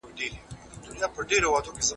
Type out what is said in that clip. سياست پوهنه په پوره دقت او پاملرنه سره زده کړئ.